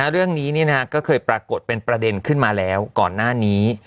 เรื่องนี้ก็เคยปรากฏเป็นประเด็นขึ้นมาแล้วก่อนหน้านี้